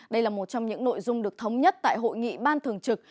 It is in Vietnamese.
đây là một trong những nội dung được thống nhất tại hội nghị ban thường trực